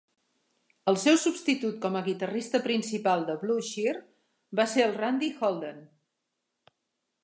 El seu substitut com a guitarrista principal de Blue Cheer va ser el Randy Holden.